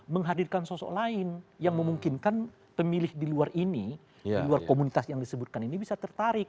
menghadirkan sosok lain yang memungkinkan pemilih di luar ini di luar komunitas yang disebutkan ini bisa tertarik